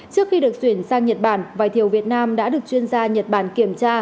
trước khi được chuyển sang nhật bản vải thiều việt nam đã được chuyên gia nhật bản kiểm tra